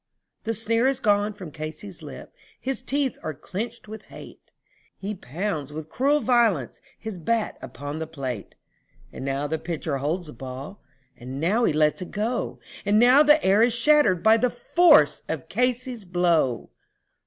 The sneer is gone from Casey's lip; his teeth are clenched with hate, He pounds with cruel violence his bat upon the plate; And now the pitcher holds the ball, and now he lets it go, And now the air is shattered by the force of Casey's blow.